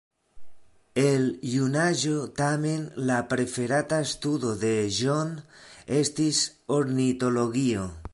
El junaĝo tamen la preferata studo de John estis ornitologio.